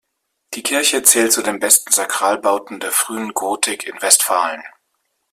Die Kirche zählt zu den besten Sakralbauten der frühen Gotik in Westfalen.